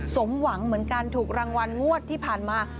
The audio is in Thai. สมหวังเหมือนกันถูกรางวัลงวดที่ผ่านมา